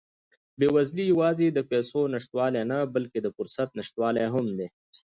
بېوزلي یوازې د پیسو نشتوالی نه، بلکې د فرصت نشتوالی هم دی.